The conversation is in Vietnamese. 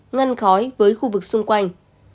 ngăn khói với khu vực xung quanh